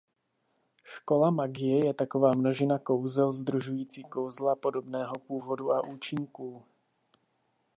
Škola magie je taková množina kouzel sdružující kouzla podobného původu a účinků.